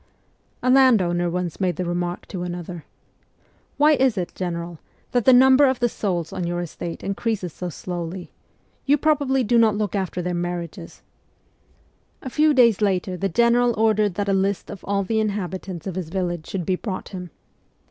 A landowner once made the remark to another, ' Why is it, general, that the number of the souls on your estate increases so slowly ? You probably do not look after their marriages.' CO MEMOIRS OF A REVOLUTIONIST A few days later the general ordered that a list of all the inhabitants of his village should be brought him.